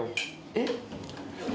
えっ？